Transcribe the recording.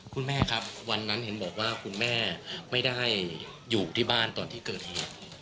คุณแม่ครับวันนั้นเห็นบอกว่าคุณแม่ไม่ได้อยู่ที่บ้านตอนที่เกิดเหตุ